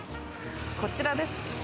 こちらです。